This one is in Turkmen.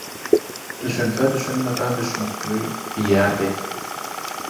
Düşünse-düşünmese düşnükli diýýärdi.